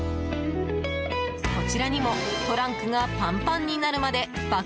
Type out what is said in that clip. こちらにもトランクがパンパンになるまで爆